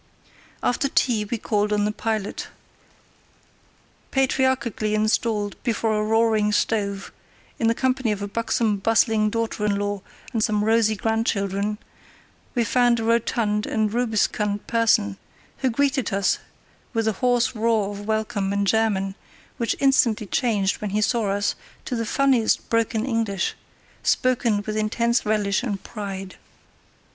After tea we called on the pilot. Patriarchally installed before a roaring stove, in the company of a buxom bustling daughter in law and some rosy grandchildren, we found a rotund and rubicund person, who greeted us with a hoarse roar of welcome in German, which instantly changed, when he saw us, to the funniest broken English, spoken with intense relish and pride.